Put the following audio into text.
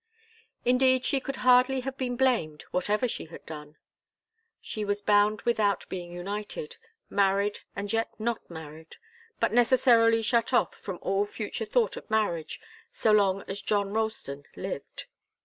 Indeed, she could hardly have been blamed, whatever she had done. She was bound without being united, married and yet not married, but necessarily shut off from all future thought of marriage, so long as John Ralston lived.